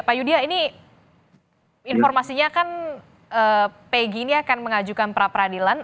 pak yudha ini informasinya kan pegi ini akan mengajukan pra peradilan